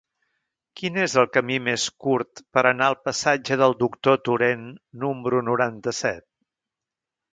Quin és el camí més curt per anar al passatge del Doctor Torent número noranta-set?